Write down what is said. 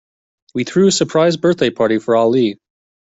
We threw a surprise birthday party for Ali.